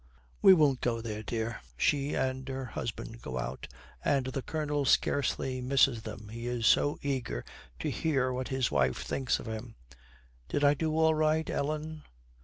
'We won't go there, dear.' She and her husband go out, and the Colonel scarcely misses them, he is so eager to hear what his wife thinks of him. 'Did I do all right, Ellen?'